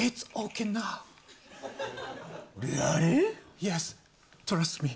イエストラストミー。